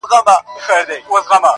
هم په تېښته کي چالاک هم زورور وو،